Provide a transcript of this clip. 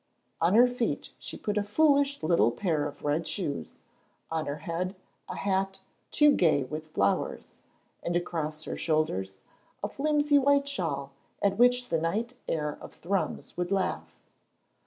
On her feet she put a foolish little pair of red shoes, on her head a hat too gay with flowers, and across her shoulders a flimsy white shawl at which the night air of Thrums would laugh.